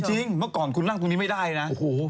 เมื่อก่อนคุณนั่งตรงนี้ไม่ได้นะ